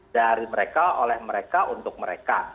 dari mereka oleh mereka untuk mereka